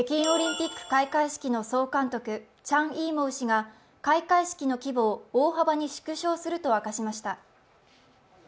オリンピック開会式の総監督、チャン・イーモウ氏が開会式の規模を大幅に縮小すると明かしました。